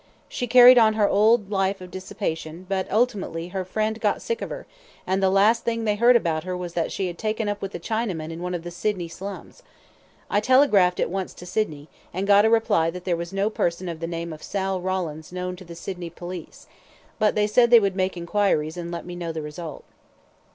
She carried on her old life of dissipation, but, ultimately, her friend got sick of her, and the last thing they heard about her was that she had taken up with a Chinaman in one of the Sydney slums. I telegraphed at once to Sydney, and got a reply that there was no person of the name of Sal Rawlins known to the Sydney police, but they said they would make enquiries, and let me know the result."